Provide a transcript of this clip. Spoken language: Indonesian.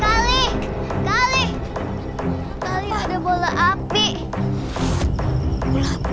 kalau darifx selalu rekaman nyuruh sama gue